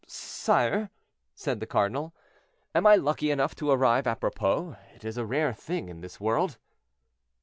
"Sire," said the cardinal, "am I lucky enough to arrive apropos—it is a rare thing in this world."